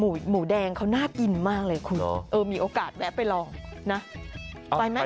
หมูแดงเขาน่ากินมากเลยคุณเออมีโอกาสแวะไปลองนะไปไหม